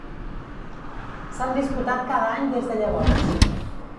S'han disputat cada any des de llavors.